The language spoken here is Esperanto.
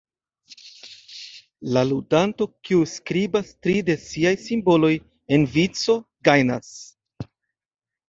La ludanto, kiu skribas tri de siaj simboloj en vico, gajnas.